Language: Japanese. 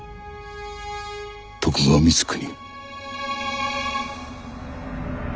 徳川光圀。